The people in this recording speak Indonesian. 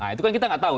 itu kan kita nggak tahu